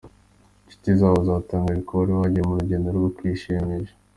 Inshuti zabo zatangaje ko bari bagiye mu rugendo rwo kwishimisha.